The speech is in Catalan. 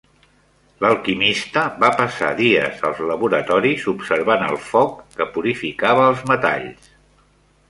L'alquimista va passar dies als laboratoris observant el foc que purificava els metalls.